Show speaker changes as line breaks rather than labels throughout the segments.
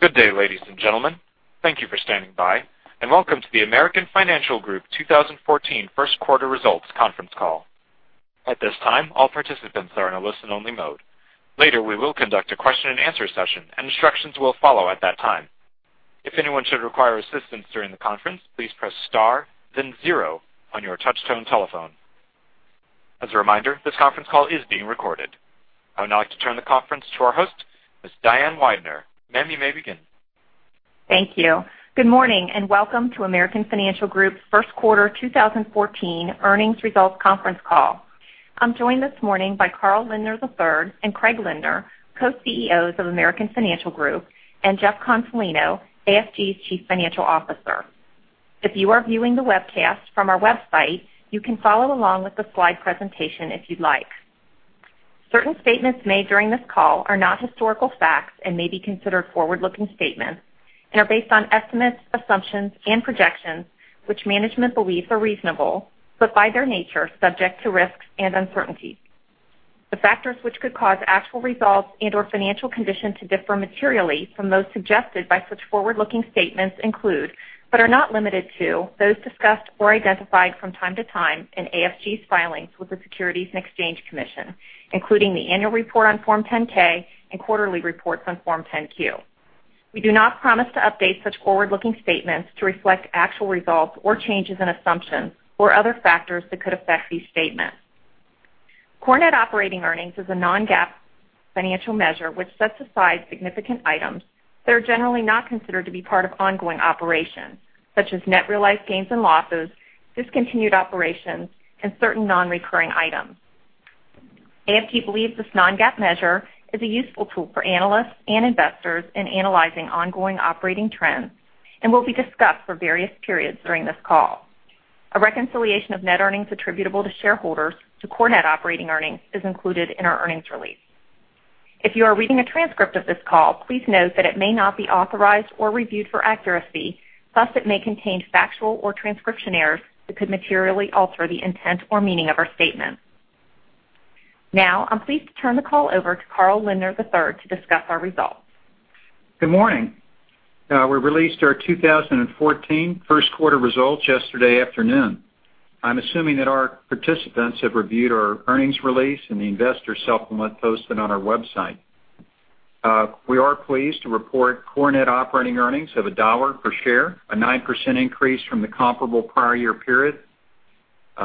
Good day, ladies and gentlemen. Thank you for standing by, and welcome to the American Financial Group 2014 first quarter results conference call. At this time, all participants are in a listen-only mode. Later we will conduct a question and answer session, and instructions will follow at that time. If anyone should require assistance during the conference, please press star, then zero on your touchtone telephone. As a reminder, this conference call is being recorded. I would now like to turn the conference to our host, Ms. Diane Weidner. Ma'am, you may begin.
Thank you. Good morning, and welcome to American Financial Group's first quarter 2014 earnings results conference call. I'm joined this morning by Carl Lindner III and Craig Lindner, Co-CEOs of American Financial Group, and Jeff Consolino, AFG's Chief Financial Officer. If you are viewing the webcast from our website, you can follow along with the slide presentation if you'd like. Certain statements made during this call are not historical facts and may be considered forward-looking statements and are based on estimates, assumptions, and projections, which management believes are reasonable, but by their nature, subject to risks and uncertainties. The factors which could cause actual results and/or financial conditions to differ materially from those suggested by such forward-looking statements include, but are not limited to, those discussed or identified from time to time in AFG's filings with the Securities and Exchange Commission, including the annual report on Form 10-K and quarterly reports on Form 10-Q. We do not promise to update such forward-looking statements to reflect actual results or changes in assumptions or other factors that could affect these statements. Core net operating earnings is a non-GAAP financial measure which sets aside significant items that are generally not considered to be part of ongoing operations, such as net realized gains and losses, discontinued operations, and certain non-recurring items. AFG believes this non-GAAP measure is a useful tool for analysts and investors in analyzing ongoing operating trends and will be discussed for various periods during this call. A reconciliation of net earnings attributable to shareholders to core net operating earnings is included in our earnings release. If you are reading a transcript of this call, please note that it may not be authorized or reviewed for accuracy, plus it may contain factual or transcription errors that could materially alter the intent or meaning of our statement. I'm pleased to turn the call over to Carl Lindner III to discuss our results.
Good morning. We released our 2014 first quarter results yesterday afternoon. I'm assuming that our participants have reviewed our earnings release and the investor supplement posted on our website. We are pleased to report core net operating earnings of $1 per share, a 9% increase from the comparable prior year period.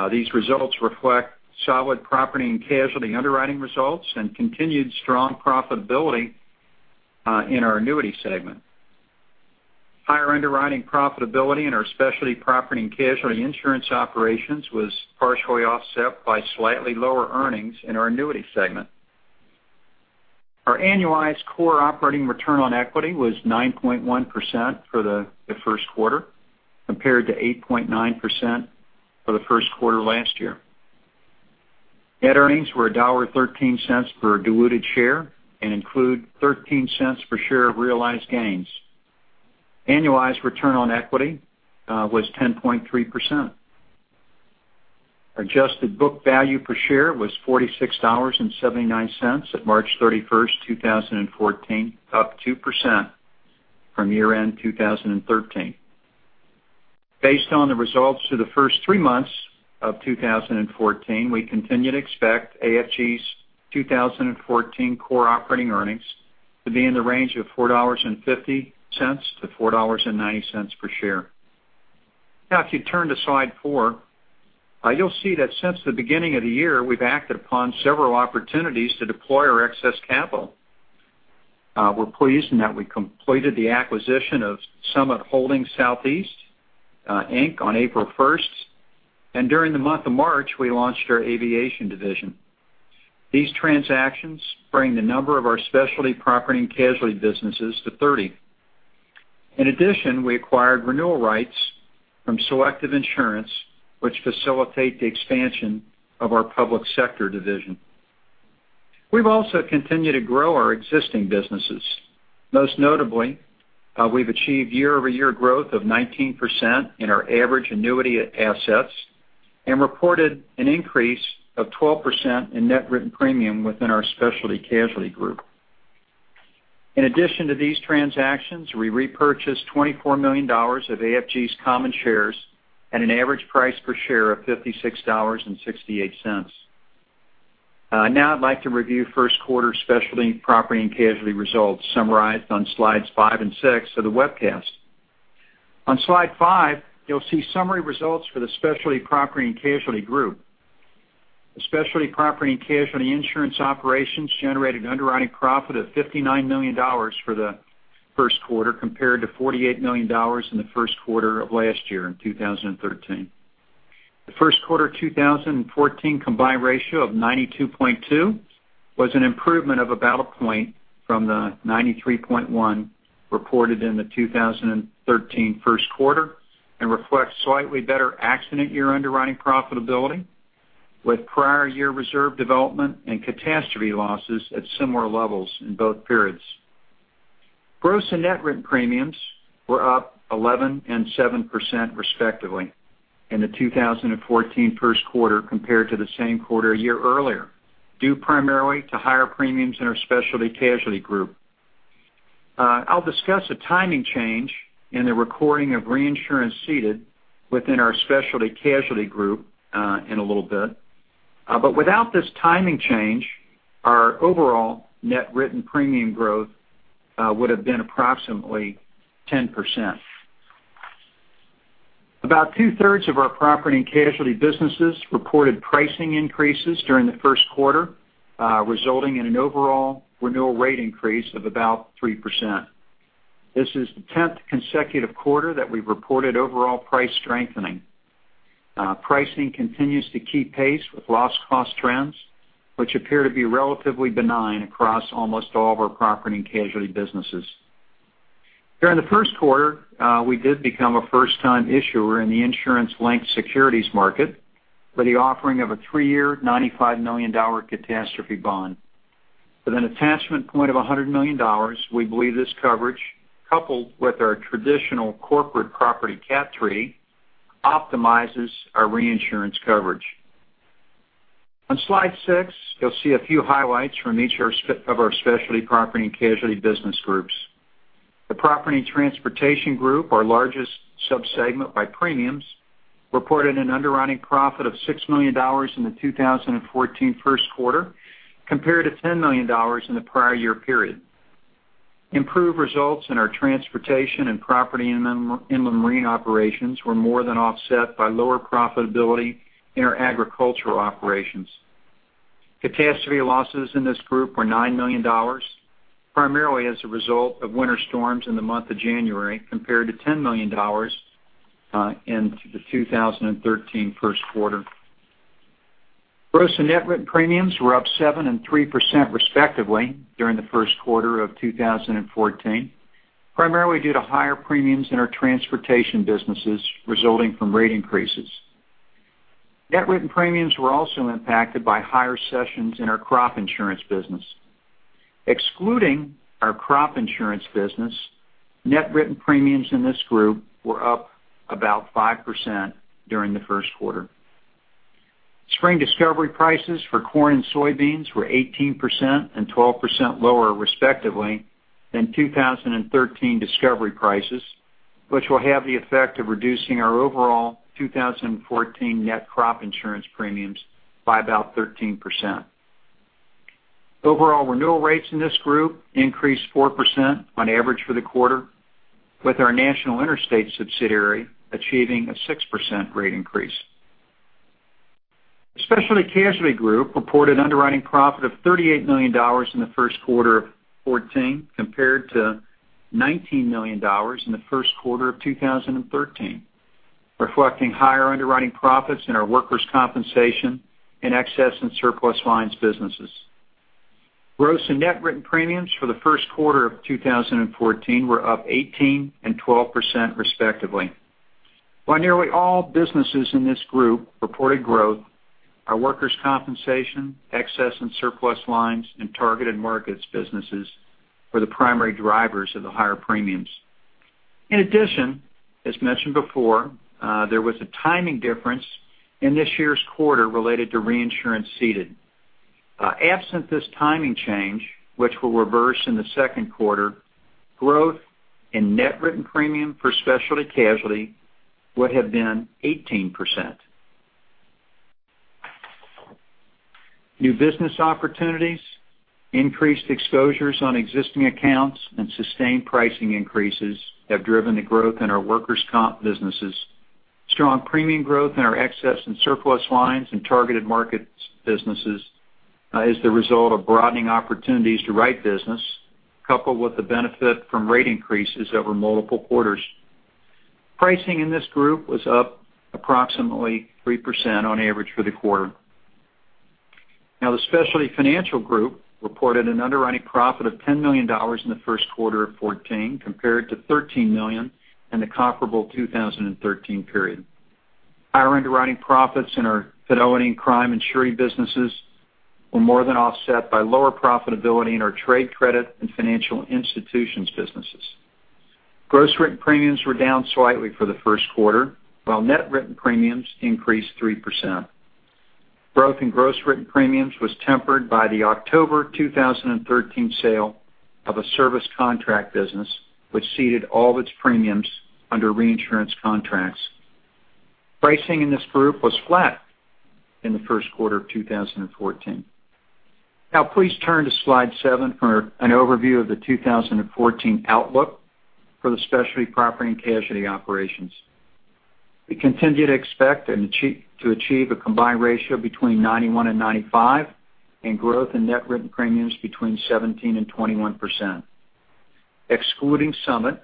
These results reflect solid property and casualty underwriting results and continued strong profitability in our annuity segment. Higher underwriting profitability in our Specialty Property and Casualty insurance operations was partially offset by slightly lower earnings in our annuity segment. Our annualized core operating return on equity was 9.1% for the first quarter, compared to 8.9% for the first quarter last year. Net earnings were $1.13 per diluted share and include $0.13 per share of realized gains. Annualized return on equity was 10.3%. Adjusted book value per share was $46.79 at March 31st, 2014, up 2% from year-end 2013. Based on the results for the first three months of 2014, we continue to expect AFG's 2014 core operating earnings to be in the range of $4.50-$4.90 per share. If you turn to slide four, you'll see that since the beginning of the year, we've acted upon several opportunities to deploy our excess capital. We're pleased in that we completed the acquisition of Summit Holding Southeast, Inc. on April 1st, and during the month of March, we launched our aviation division. These transactions bring the number of our Specialty Property and Casualty businesses to 30. In addition, we acquired renewal rights from Selective Insurance, which facilitate the expansion of our public sector division. We've also continued to grow our existing businesses. Most notably, we've achieved year-over-year growth of 19% in our average annuity assets and reported an increase of 12% in net written premium within our Specialty Casualty Group. In addition to these transactions, we repurchased $24 million of AFG's common shares at an average price per share of $56.68. I'd like to review first quarter Specialty Property and Casualty results summarized on slides five and six of the webcast. On slide five, you'll see summary results for the Specialty Property and Casualty Group. The Specialty Property and Casualty insurance operations generated underwriting profit of $59 million for the first quarter, compared to $48 million in the first quarter of last year in 2013. The first quarter 2014 combined ratio of 92.2 was an improvement of about a point from the 93.1 reported in the 2013 first quarter and reflects slightly better accident year underwriting profitability with prior year reserve development and catastrophe losses at similar levels in both periods. Gross and net written premiums were up 11% and 7% respectively. In the 2014 first quarter compared to the same quarter a year earlier, due primarily to higher premiums in our Specialty Casualty Group. I'll discuss a timing change in the recording of reinsurance ceded within our Specialty Casualty Group in a little bit. Without this timing change, our overall net written premium growth would have been approximately 10%. About two-thirds of our property and casualty businesses reported pricing increases during the first quarter, resulting in an overall renewal rate increase of about 3%. This is the 10th consecutive quarter that we've reported overall price strengthening. Pricing continues to keep pace with loss cost trends, which appear to be relatively benign across almost all of our property and casualty businesses. During the first quarter, we did become a first-time issuer in the insurance-linked securities market with the offering of a three-year $95 million catastrophe bond. With an attachment point of $100 million, we believe this coverage, coupled with our traditional corporate property Catco, optimizes our reinsurance coverage. On slide six, you'll see a few highlights from each of our Specialty Property and Casualty business groups. The Property and Transportation Group, our largest sub-segment by premiums, reported an underwriting profit of $6 million in the 2014 first quarter, compared to $10 million in the prior year period. Improved results in our transportation and property and inland marine operations were more than offset by lower profitability in our agricultural operations. Catastrophe losses in this group were $9 million, primarily as a result of winter storms in the month of January, compared to $10 million in the 2013 first quarter. Gross and net written premiums were up 7% and 3% respectively during the first quarter of 2014, primarily due to higher premiums in our transportation businesses resulting from rate increases. Net written premiums were also impacted by higher cessions in our crop insurance business. Excluding our crop insurance business, net written premiums in this group were up about 5% during the first quarter. Spring discovery prices for corn and soybeans were 18% and 12% lower, respectively, than 2013 discovery prices, which will have the effect of reducing our overall 2014 net crop insurance premiums by about 13%. Overall renewal rates in this group increased 4% on average for the quarter, with our National Interstate subsidiary achieving a 6% rate increase. Specialty Casualty Group reported underwriting profit of $38 million in the first quarter of 2014, compared to $19 million in the first quarter of 2013, reflecting higher underwriting profits in our workers' compensation and excess and surplus lines businesses. Gross and net written premiums for the first quarter of 2014 were up 18% and 12%, respectively. While nearly all businesses in this group reported growth, our workers' compensation, excess and surplus lines, and targeted markets businesses were the primary drivers of the higher premiums. In addition, as mentioned before, there was a timing difference in this year's quarter related to reinsurance ceded. Absent this timing change, which will reverse in the second quarter, growth in net written premium for Specialty Casualty would have been 18%. New business opportunities, increased exposures on existing accounts, and sustained pricing increases have driven the growth in our workers' comp businesses. Strong premium growth in our excess and surplus lines and targeted markets businesses is the result of broadening opportunities to write business, coupled with the benefit from rate increases over multiple quarters. Pricing in this group was up approximately 3% on average for the quarter. The Specialty Financial Group reported an underwriting profit of $10 million in the first quarter of 2014, compared to $13 million in the comparable 2013 period. Higher underwriting profits in our fidelity and crime and surety businesses were more than offset by lower profitability in our trade credit and financial institutions businesses. Gross written premiums were down slightly for the first quarter, while net written premiums increased 3%. Growth in gross written premiums was tempered by the October 2013 sale of a service contract business, which ceded all of its premiums under reinsurance contracts. Pricing in this group was flat in the first quarter of 2014. Please turn to slide seven for an overview of the 2014 outlook for the Specialty Property & Casualty operations. We continue to expect and to achieve a combined ratio between 91-95 and growth in net written premiums between 17%-21%. Excluding Summit,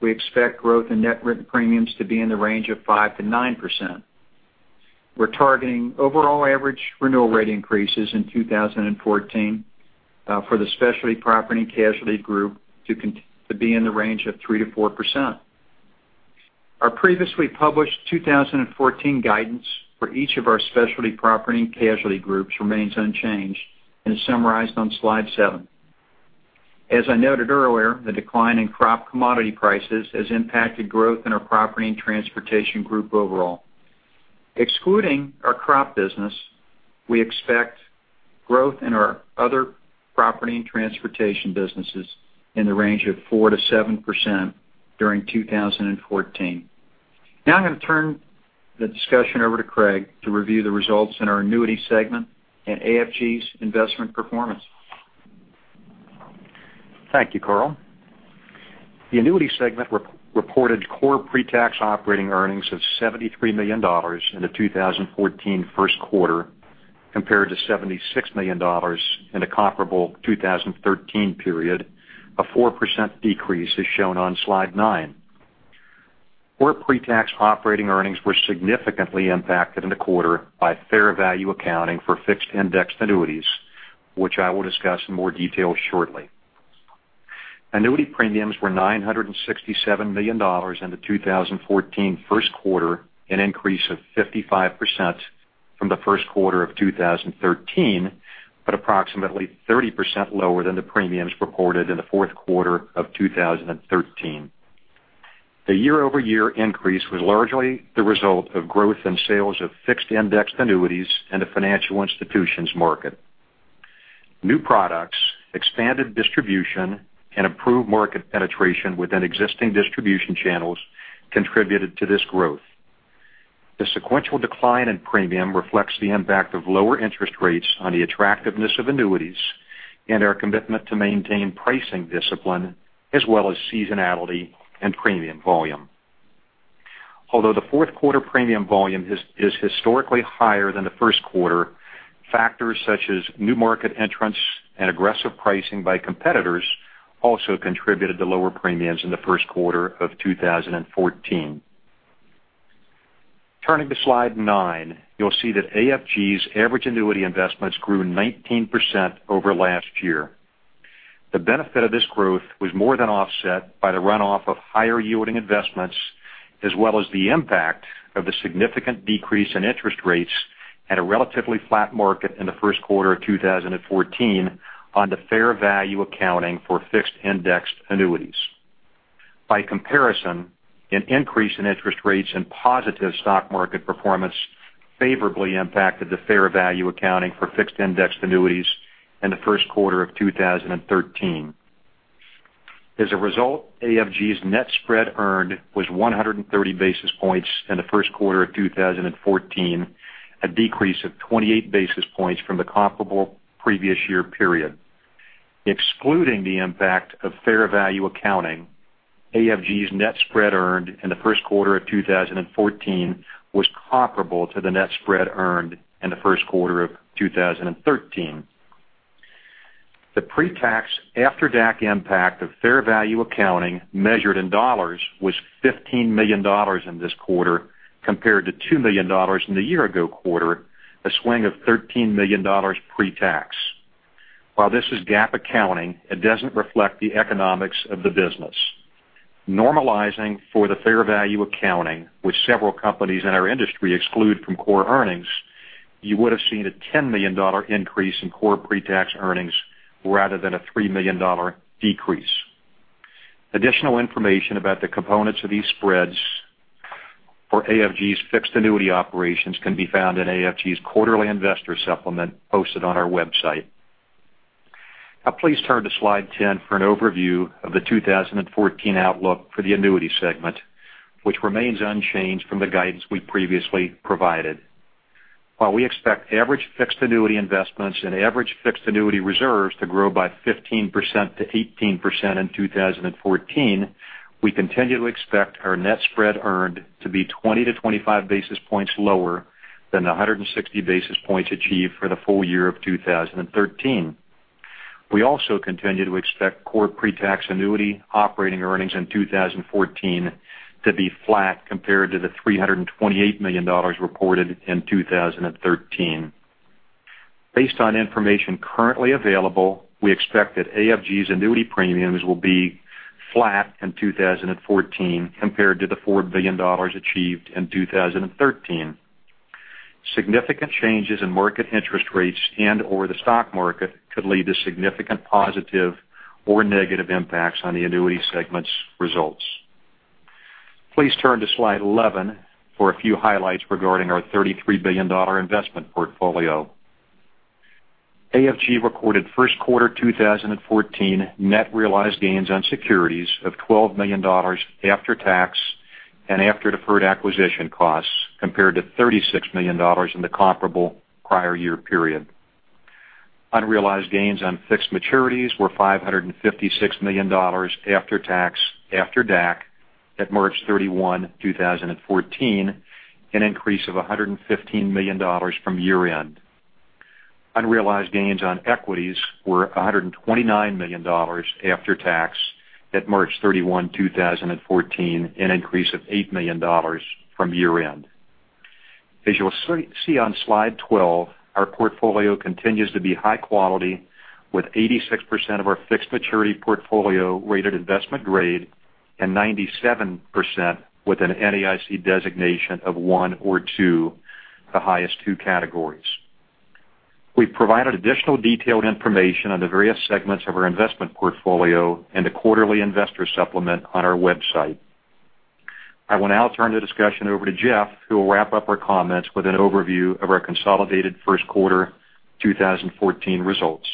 we expect growth in net written premiums to be in the range of 5%-9%. We're targeting overall average renewal rate increases in 2014 for the Specialty Property and Casualty Group to be in the range of 3%-4%. Our previously published 2014 guidance for each of our Specialty Property and Casualty groups remains unchanged and is summarized on slide seven. As I noted earlier, the decline in crop commodity prices has impacted growth in our Property and Transportation Group overall. Excluding our crop business, we expect growth in our other property and transportation businesses in the range of 4%-7% during 2014. I'm going to turn the discussion over to Craig to review the results in our annuity segment and AFG's investment performance.
Thank you, Carl. The annuity segment reported core pre-tax operating earnings of $73 million in the 2014 first quarter, compared to $76 million in the comparable 2013 period. A 4% decrease is shown on slide nine. Core pre-tax operating earnings were significantly impacted in the quarter by fair value accounting for fixed-indexed annuities, which I will discuss in more detail shortly. Annuity premiums were $967 million in the 2014 first quarter, an increase of 55% from the first quarter of 2013, but approximately 30% lower than the premiums reported in the fourth quarter of 2013. The year-over-year increase was largely the result of growth in sales of fixed-indexed annuities in the financial institutions market. New products, expanded distribution, and improved market penetration within existing distribution channels contributed to this growth. The sequential decline in premium reflects the impact of lower interest rates on the attractiveness of annuities and our commitment to maintain pricing discipline, as well as seasonality and premium volume. Although the fourth quarter premium volume is historically higher than the first quarter, factors such as new market entrants and aggressive pricing by competitors also contributed to lower premiums in the first quarter of 2014. Turning to slide nine, you'll see that AFG's average annuity investments grew 19% over last year. The benefit of this growth was more than offset by the runoff of higher yielding investments, as well as the impact of the significant decrease in interest rates and a relatively flat market in the first quarter of 2014 on the fair value accounting for fixed-indexed annuities. By comparison, an increase in interest rates and positive stock market performance favorably impacted the fair value accounting for fixed-indexed annuities in the first quarter of 2013. As a result, AFG's net spread earned was 130 basis points in the first quarter of 2014, a decrease of 28 basis points from the comparable previous year period. Excluding the impact of fair value accounting, AFG's net spread earned in the first quarter of 2014 was comparable to the net spread earned in the first quarter of 2013. The pre-tax, after-DAC impact of fair value accounting, measured in dollars, was $15 million in this quarter, compared to $2 million in the year ago quarter, a swing of $13 million pre-tax. While this is GAAP accounting, it doesn't reflect the economics of the business. Normalizing for the fair value accounting, which several companies in our industry exclude from core earnings, you would have seen a $10 million increase in core pre-tax earnings rather than a $3 million decrease. Additional information about the components of these spreads for AFG's fixed annuity operations can be found in AFG's quarterly investor supplement posted on our website. Please turn to slide 10 for an overview of the 2014 outlook for the annuity segment, which remains unchanged from the guidance we previously provided. While we expect average fixed annuity investments and average fixed annuity reserves to grow by 15%-18% in 2014, we continue to expect our net spread earned to be 20 to 25 basis points lower than the 160 basis points achieved for the full year of 2013. We also continue to expect core pre-tax annuity operating earnings in 2014 to be flat compared to the $328 million reported in 2013. Based on information currently available, we expect that AFG's annuity premiums will be flat in 2014 compared to the $4 billion achieved in 2013. Significant changes in market interest rates and/or the stock market could lead to significant positive or negative impacts on the annuity segment's results. Please turn to slide 11 for a few highlights regarding our $33 billion investment portfolio. AFG recorded first quarter 2014 net realized gains on securities of $12 million after tax and after deferred acquisition costs, compared to $36 million in the comparable prior year period. Unrealized gains on fixed maturities were $556 million after tax, after DAC, at March 31, 2014, an increase of $115 million from year end. Unrealized gains on equities were $129 million after tax at March 31, 2014, an increase of $8 million from year end. As you will see on slide 12, our portfolio continues to be high quality with 86% of our fixed maturity portfolio rated investment grade and 97% with an NAIC designation of 1 or 2, the highest two categories. We provided additional detailed information on the various segments of our investment portfolio in the quarterly investor supplement on our website. I will now turn the discussion over to Jeff, who will wrap up our comments with an overview of our consolidated first quarter 2014 results.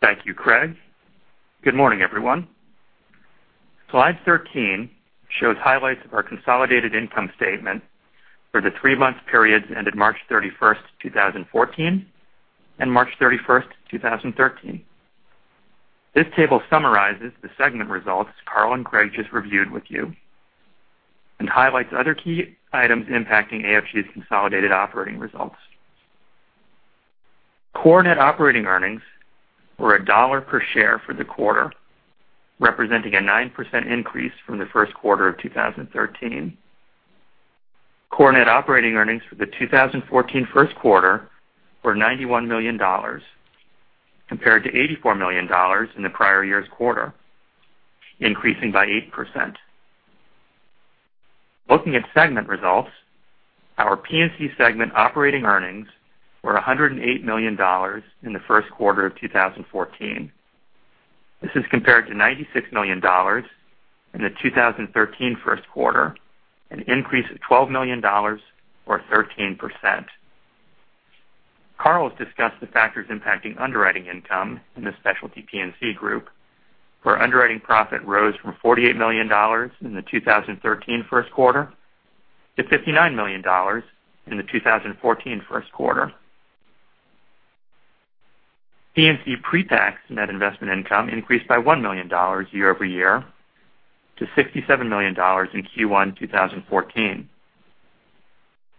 Thank you, Craig. Good morning, everyone. Slide 13 shows highlights of our consolidated income statement for the three-month periods ended March 31st, 2014, and March 31st, 2013. This table summarizes the segment results Carl and Craig just reviewed with you and highlights other key items impacting AFG's consolidated operating results. Core net operating earnings were $1 per share for the quarter, representing a 9% increase from the first quarter of 2013. Core net operating earnings for the 2014 first quarter were $91 million compared to $84 million in the prior year's quarter, increasing by 8%. Looking at segment results, our P&C segment operating earnings were $108 million in the first quarter of 2014. This is compared to $96 million in the 2013 first quarter, an increase of $12 million or 13%. Carl has discussed the factors impacting underwriting income in the Specialty P&C group, where underwriting profit rose from $48 million in the 2013 first quarter to $59 million in the 2014 first quarter. P&C pre-tax net investment income increased by $1 million year-over-year to $67 million in Q1 2014.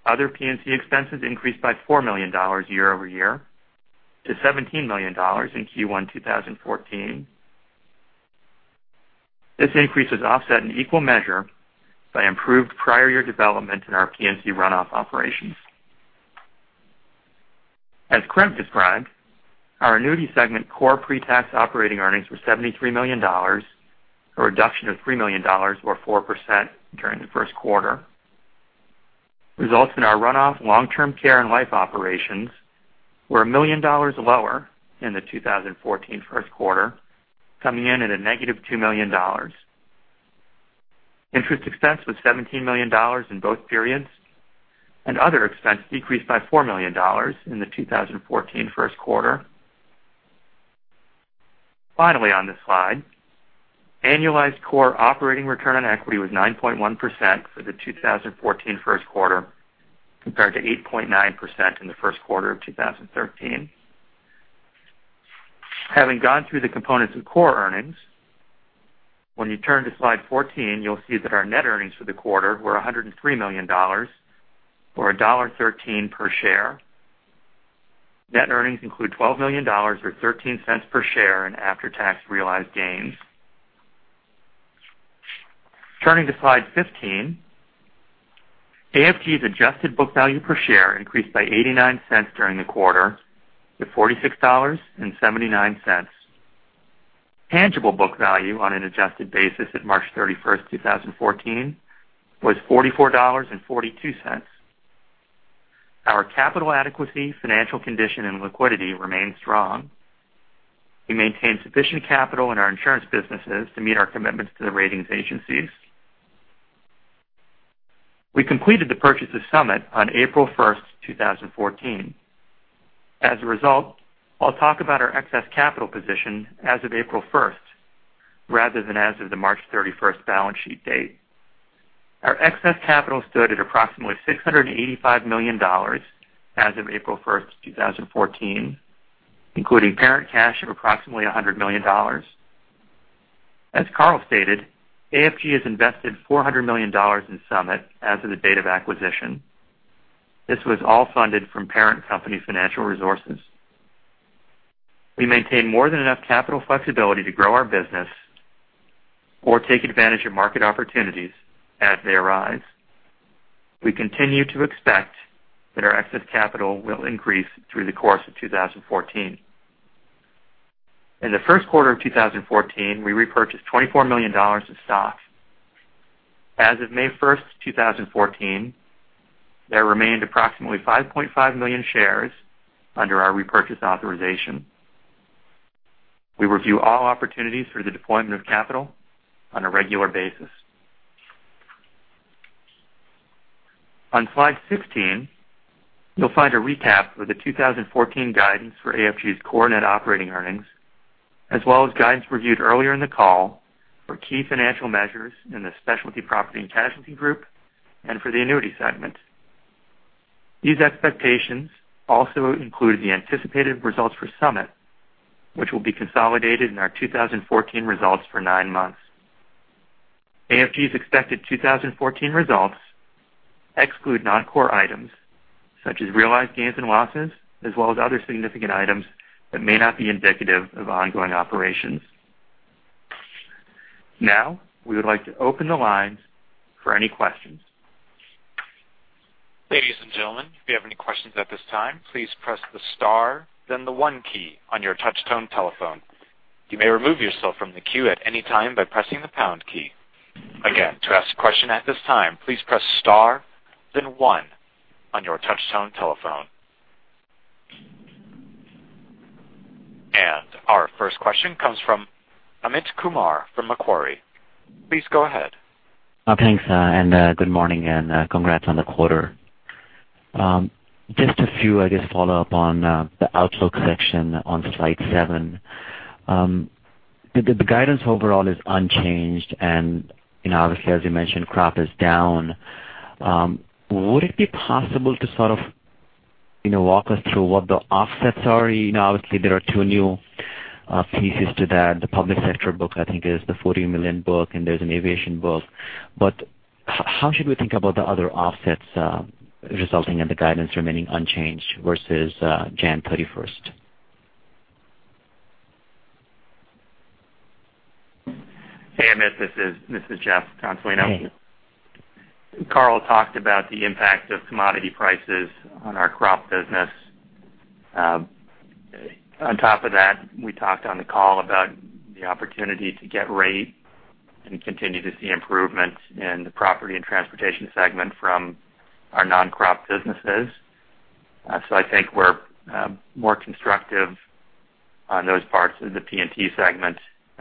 Other P&C expenses increased by $4 million year-over-year to $17 million in Q1 2014. This increase is offset in equal measure by improved prior year development in our P&C runoff operations. As Craig described, our Annuity segment core pre-tax operating earnings were $73 million, a reduction of $3 million or 4% during the first quarter. Results in our runoff long-term care and life operations were $1 million lower in the 2014 first quarter, coming in at a negative $2 million. Interest expense was $17 million in both periods, and other expense decreased by $4 million in the 2014 first quarter. Finally, on this slide, annualized core operating return on equity was 9.1% for the 2014 first quarter, compared to 8.9% in the first quarter of 2013. Having gone through the components of core earnings, when you turn to Slide 14, you'll see that our net earnings for the quarter were $103 million, or $1.13 per share. Net earnings include $12 million or $0.13 per share in after-tax realized gains. Turning to Slide 15, AFG's adjusted book value per share increased by $0.89 during the quarter to $46.79. Tangible book value on an adjusted basis at March 31st, 2014, was $44.42. Our capital adequacy, financial condition, and liquidity remain strong. We maintain sufficient capital in our insurance businesses to meet our commitments to the ratings agencies. We completed the purchase of Summit on April 1st, 2014. As a result, I'll talk about our excess capital position as of April 1st, rather than as of the March 31st balance sheet date. Our excess capital stood at approximately $685 million as of April 1st, 2014, including parent cash of approximately $100 million. As Carl stated, AFG has invested $400 million in Summit as of the date of acquisition. This was all funded from parent company financial resources. We maintain more than enough capital flexibility to grow our business or take advantage of market opportunities as they arise. We continue to expect that our excess capital will increase through the course of 2014. In the first quarter of 2014, we repurchased $24 million of stock. As of May 1st, 2014, there remained approximately 5.5 million shares under our repurchase authorization. We review all opportunities for the deployment of capital on a regular basis. On slide 16, you'll find a recap of the 2014 guidance for AFG's core net operating earnings, as well as guidance reviewed earlier in the call for key financial measures in the Specialty Property and Casualty group and for the Annuity segment. These expectations also include the anticipated results for Summit, which will be consolidated in our 2014 results for nine months. AFG's expected 2014 results exclude non-core items such as realized gains and losses, as well as other significant items that may not be indicative of ongoing operations. We would like to open the lines for any questions.
Ladies and gentlemen, if you have any questions at this time, please press the star, then the one key on your touchtone telephone. You may remove yourself from the queue at any time by pressing the pound key. Again, to ask a question at this time, please press star then one on your touchtone telephone. Our first question comes from Amit Kumar from Macquarie. Please go ahead.
Thanks, and good morning. Congrats on the quarter. Just a few, I guess, follow-up on the outlook section on slide seven. The guidance overall is unchanged. Obviously, as you mentioned, crop is down. Would it be possible to sort of walk us through what the offsets are? Obviously, there are two new pieces to that. The public sector book, I think, is the $40 million book. There's an aviation book. How should we think about the other offsets resulting in the guidance remaining unchanged versus January 31st?
Hey, Amit, this is Jeff Consolino.
Hey.
Carl talked about the impact of commodity prices on our crop business. On top of that, we talked on the call about the opportunity to get rate and continue to see improvement in the Property and Transportation Group from our non-crop businesses. I think we're more constructive on those parts of the P&T segment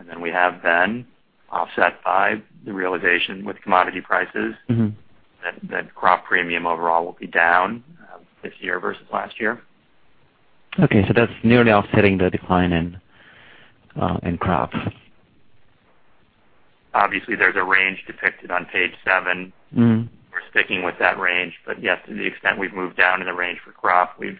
than we have been, offset by the realization with commodity prices. That crop premium overall will be down this year versus last year.
Okay, that's nearly offsetting the decline in crops.
Obviously, there's a range depicted on page seven. Yes, to the extent we've moved down in the range for crop, we've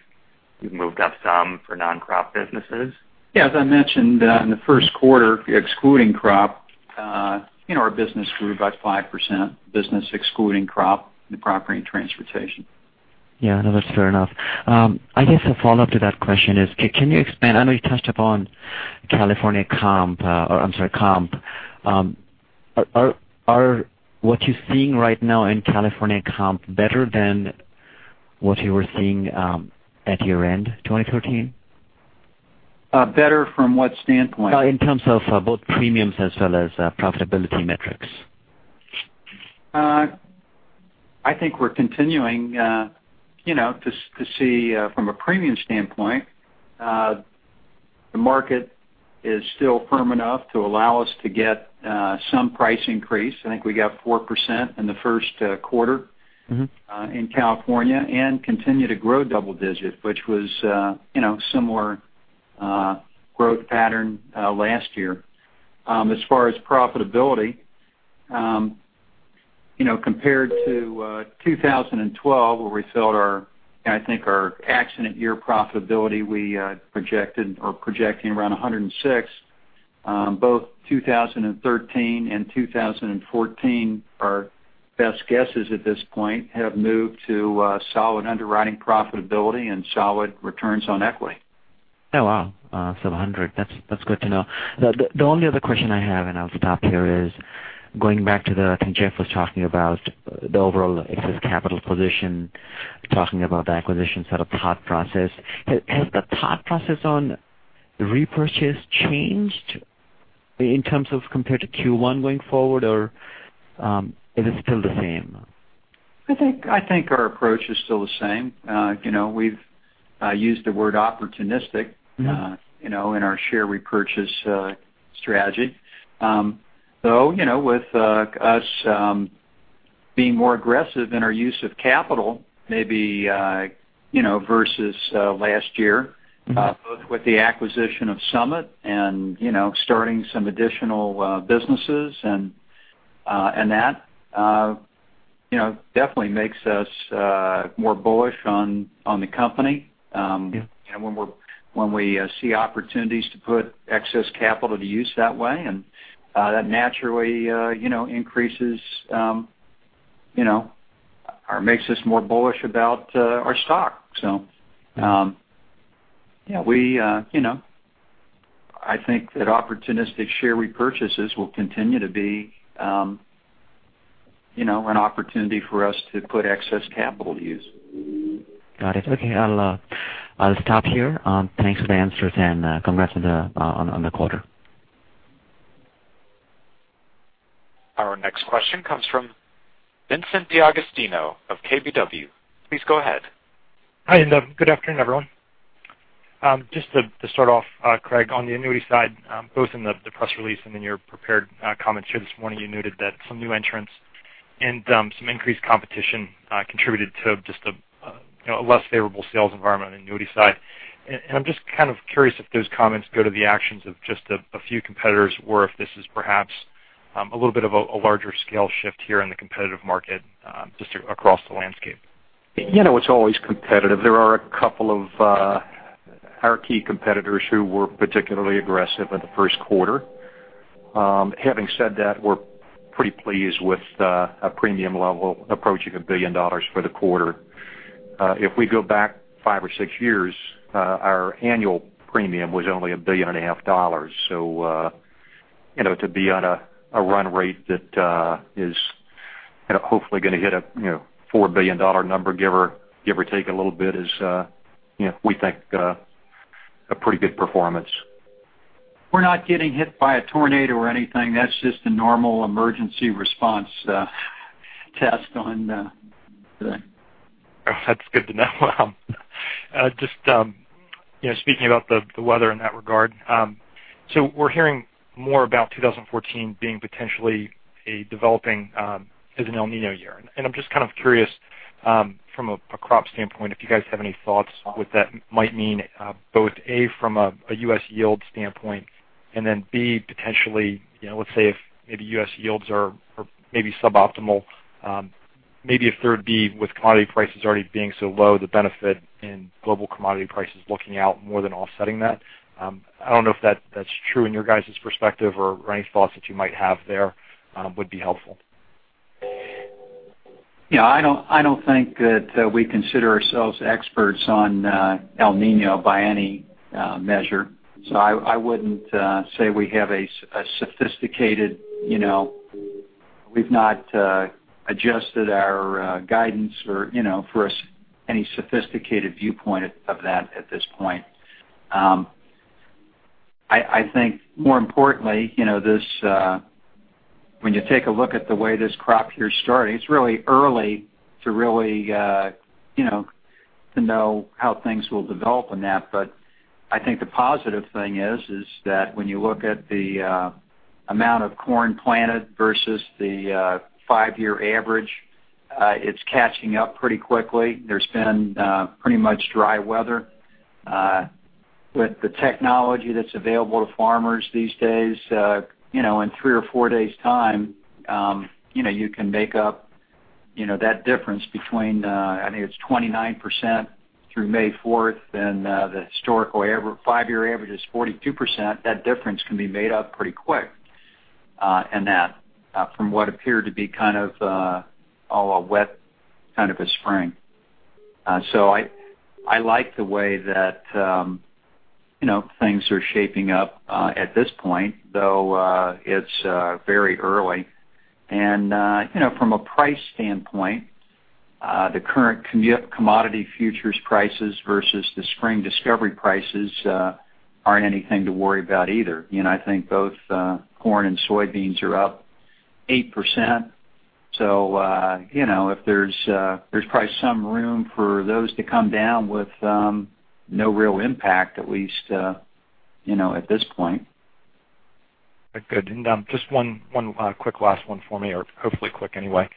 moved up some for non-crop businesses.
Yeah, as I mentioned, in the first quarter, excluding crop our business grew about 5%, business excluding crop, the Property and Transportation Group.
Yeah, no, that's fair enough. I guess a follow-up to that question is, I know you touched upon California comp. Are what you're seeing right now in California comp better than what you were seeing at year-end 2013?
Better from what standpoint?
In terms of both premiums as well as profitability metrics.
I think we're continuing to see from a premium standpoint, the market is still firm enough to allow us to get some price increase. I think we got 4% in the first quarter. in California and continue to grow double digit, which was similar growth pattern last year. As far as profitability, compared to 2012, where we felt our, I think our accident year profitability, we projected or projecting around 106%. Both 2013 and 2014, our best guesses at this point have moved to solid underwriting profitability and solid returns on equity.
Oh, wow. 100. That's good to know. The only other question I have, and I'll stop here, is going back to the I think Jeff was talking about the overall excess capital position, talking about the acquisition set of thought process. Has the thought process on repurchase changed in terms of compared to Q1 going forward, or it is still the same?
I think our approach is still the same. We've used the word opportunistic- in our share repurchase strategy. With us being more aggressive in our use of capital, maybe versus last year- both with the acquisition of Summit and starting some additional businesses and that definitely makes us more bullish on the company- when we see opportunities to put excess capital to use that way, and that naturally increases or makes us more bullish about our stock.
Yeah
I think that opportunistic share repurchases will continue to be an opportunity for us to put excess capital to use.
Got it. Okay. I'll stop here. Thanks for the answers and congrats on the quarter.
Our next question comes from Vincent D'Agostino of KBW. Please go ahead.
Good afternoon, everyone. Just to start off, Craig, on the annuity side, both in the press release and in your prepared comments here this morning, you noted that some new entrants and some increased competition contributed to just a less favorable sales environment on the annuity side. I'm just kind of curious if those comments go to the actions of just a few competitors, or if this is perhaps a little bit of a larger scale shift here in the competitive market, just across the landscape.
It's always competitive. There are a couple of our key competitors who were particularly aggressive in the first quarter. Having said that, we're pretty pleased with a premium level approaching $1 billion for the quarter. If we go back five or six years, our annual premium was only a billion and a half dollars. To be on a run rate that is hopefully going to hit a $4 billion number, give or take a little bit is, we think a pretty good performance.
We're not getting hit by a tornado or anything. That's just a normal emergency response test on the-
That's good to know. Just speaking about the weather in that regard. We're hearing more about 2014 being potentially a developing as an El Niño year. I'm just kind of curious, from a crop standpoint, if you guys have any thoughts what that might mean, both A, from a U.S. yield standpoint then B, potentially, let's say if maybe U.S. yields are maybe suboptimal, maybe a third B, with commodity prices already being so low, the benefit in global commodity prices looking out more than offsetting that. I don't know if that's true in your guys' perspective or any thoughts that you might have there would be helpful.
Yeah, I don't think that we consider ourselves experts on El Niño by any measure. We've not adjusted our guidance for any sophisticated viewpoint of that at this point. I think more importantly, when you take a look at the way this crop year's starting, it's really early to really know how things will develop in that. I think the positive thing is that when you look at the amount of corn planted versus the 5-year average, it's catching up pretty quickly. There's been pretty much dry weather. With the technology that's available to farmers these days, in three or four days' time, you can make up that difference between, I think it's 29% through May 4th, and the historical 5-year average is 42%. That difference can be made up pretty quick, and that from what appeared to be kind of a wet kind of a spring. I like the way that things are shaping up, at this point, though it's very early. From a price standpoint, the current commodity futures prices versus the Spring Discovery Prices aren't anything to worry about either. I think both corn and soybeans are up 8%. There's probably some room for those to come down with no real impact, at least, at this point.
Good. Just one quick last one for me, or hopefully quick anyway.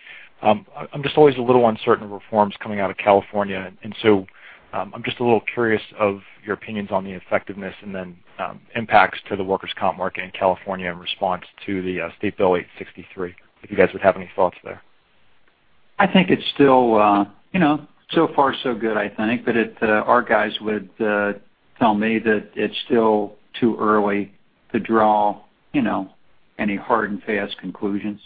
I'm just always a little uncertain of reforms coming out of California, and so I'm just a little curious of your opinions on the effectiveness and then impacts to the workers' comp market in California in response to the Senate Bill 863. If you guys would have any thoughts there.
I think it's still so far so good, I think. Our guys would tell me that it's still too early to draw any hard and fast conclusions.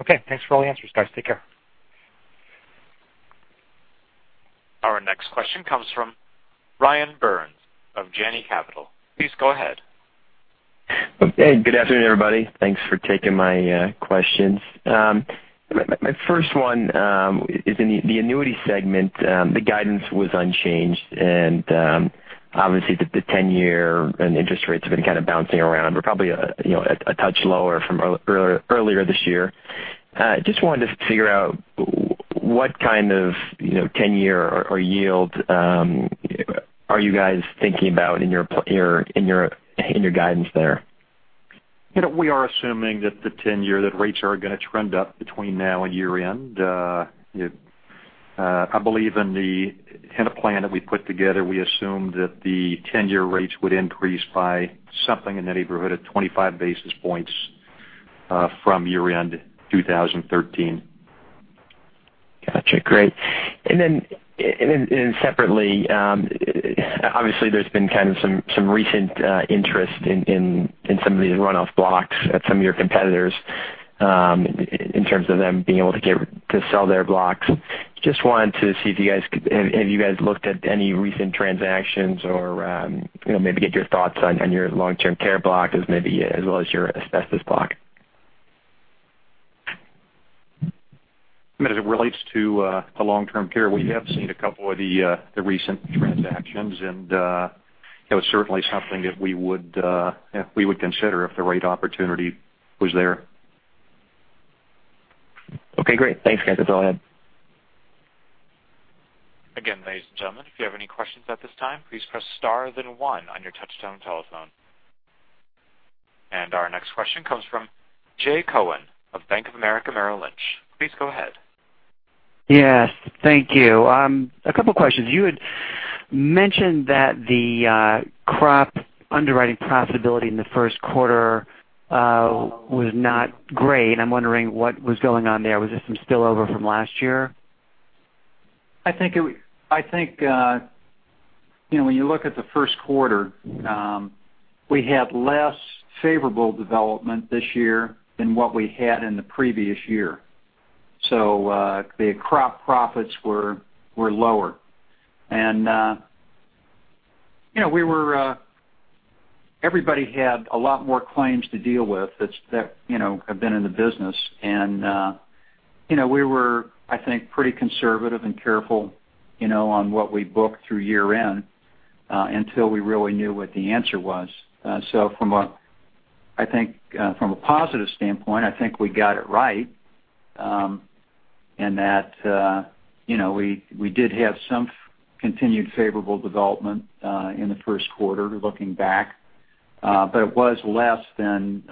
Okay. Thanks for all the answers, guys. Take care.
Our next question comes from Ryan Byrnes of Janney Capital. Please go ahead.
Hey, good afternoon, everybody. Thanks for taking my questions. My first one is in the annuity segment, the guidance was unchanged, and obviously the ten-year and interest rates have been kind of bouncing around. We're probably a touch lower from earlier this year. Just wanted to figure out what kind of ten-year or yield are you guys thinking about in your guidance there?
We are assuming that the ten-year, that rates are going to trend up between now and year-end. I believe in the plan that we put together, we assumed that the ten-year rates would increase by something in the neighborhood of 25 basis points from year-end 2013.
Got you. Great. Separately, obviously there's been kind of some recent interest in some of these runoff blocks at some of your competitors, in terms of them being able to sell their blocks. Just wanted to see, have you guys looked at any recent transactions or maybe get your thoughts on your long-term care block as well as your asbestos block?
I mean, as it relates to long-term care, we have seen a couple of the recent transactions. It was certainly something that we would consider if the right opportunity was there.
Okay, great. Thanks, guys. That's all I had.
Again, ladies and gentlemen, if you have any questions at this time, please press star then one on your touchtone telephone. Our next question comes from Jay Cohen of Bank of America Merrill Lynch. Please go ahead.
Yes. Thank you. A couple questions. You had mentioned that the crop underwriting profitability in the first quarter was not great. I am wondering what was going on there. Was this some spillover from last year?
I think when you look at the first quarter, we had less favorable development this year than what we had in the previous year. The crop profits were lower. Everybody had a lot more claims to deal with that have been in the business. We were, I think, pretty conservative and careful on what we booked through year-end, until we really knew what the answer was. From a positive standpoint, I think we got it right, in that we did have some continued favorable development in the first quarter, looking back. It was less than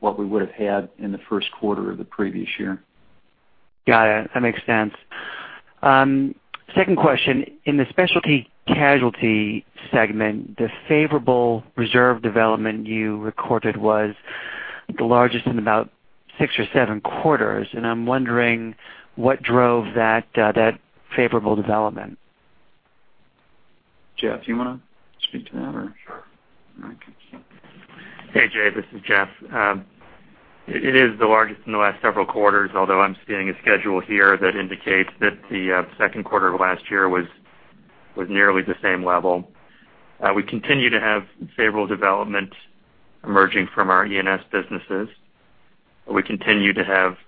what we would've had in the first quarter of the previous year.
Got it. That makes sense. Second question, in the Specialty Casualty segment, the favorable reserve development you recorded was the largest in about six or seven quarters, and I am wondering what drove that favorable development.
Jeff, you want to speak to that?
Sure.
All right.
Hey, Jay, this is Jeff. It is the largest in the last several quarters, although I'm seeing a schedule here that indicates that the second quarter of last year was nearly the same level. We continue to have favorable development emerging from our E&S businesses. We continue to have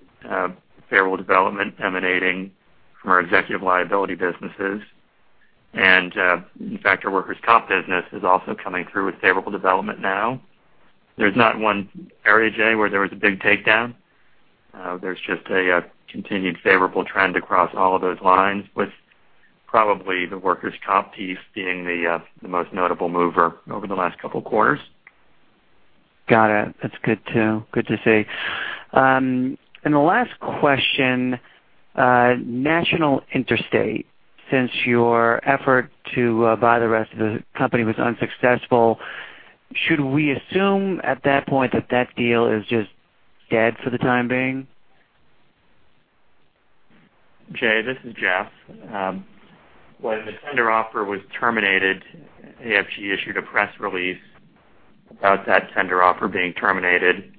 favorable development emanating from our executive liability businesses. In fact, our workers' comp business is also coming through with favorable development now. There's not one area, Jay, where there was a big takedown. There's just a continued favorable trend across all of those lines, with probably the workers' comp piece being the most notable mover over the last couple of quarters.
Got it. That's good to see. The last question, National Interstate, since your effort to buy the rest of the company was unsuccessful, should we assume at that point that that deal is just dead for the time being?
Jay, this is Jeff. When the tender offer was terminated, AFG issued a press release about that tender offer being terminated.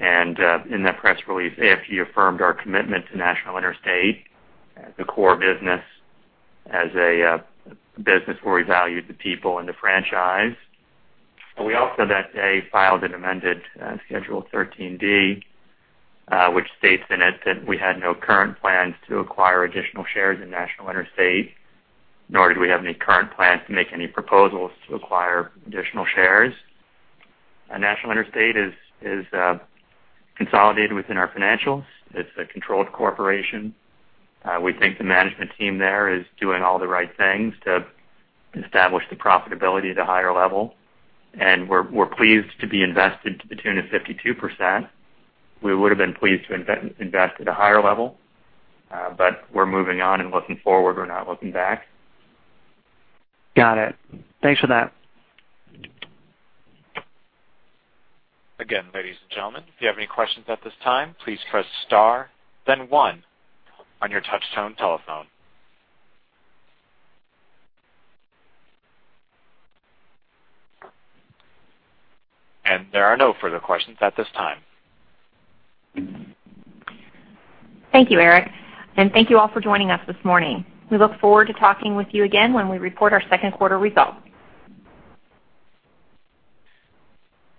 In that press release, AFG affirmed our commitment to National Interstate as a core business, as a business where we valued the people and the franchise. We also that day filed an amended Schedule 13D, which states in it that we had no current plans to acquire additional shares in National Interstate, nor did we have any current plans to make any proposals to acquire additional shares. National Interstate is consolidated within our financials. It's a controlled corporation. We think the management team there is doing all the right things to establish the profitability at a higher level, and we're pleased to be invested to the tune of 52%. We would've been pleased to invest at a higher level, we're moving on and looking forward. We're not looking back.
Got it. Thanks for that.
Again, ladies and gentlemen, if you have any questions at this time, please press star then one on your touch tone telephone. There are no further questions at this time.
Thank you, Eric, and thank you all for joining us this morning. We look forward to talking with you again when we report our second quarter results.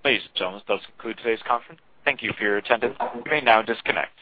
Ladies and gentlemen, this concludes today's conference. Thank you for your attendance. You may now disconnect.